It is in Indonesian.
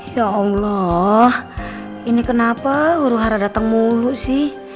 ya allah ini kenapa huru hara datang mulu sih